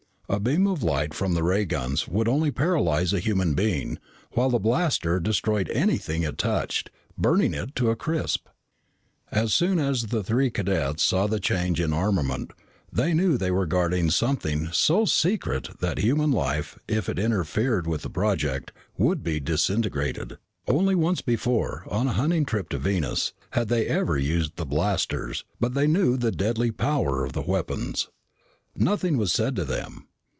A beam of light from the ray guns would only paralyze a human being, while the blaster destroyed anything it touched, burning it to a crisp. As soon as the three cadets saw the change in armament, they knew they were guarding something so secret that human life, if it interfered with the project, would be disintegrated. Only once before, on a hunting trip to Venus, had they ever used the blasters, but they knew the deadly power of the weapons. Nothing was said to them.